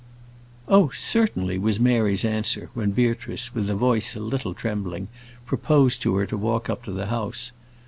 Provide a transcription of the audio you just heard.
"Oh, certainly," was Mary's answer when Beatrice, with a voice a little trembling, proposed to her to walk up to the house.